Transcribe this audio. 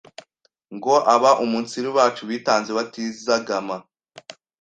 ngo abaumunsiru bacu bitanze batizagama